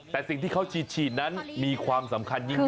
แต่สิ่งที่เขาฉีดนั้นมีความสำคัญยิ่งขึ้น